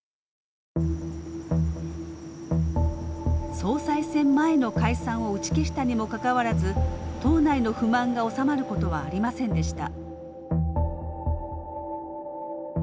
総裁選前の解散を打ち消したにもかかわらず党内の不満が収まることはありませんでした。